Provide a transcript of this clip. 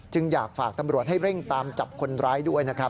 จึงอยากฝากตำรวจให้เร่งตามจับคนร้ายด้วย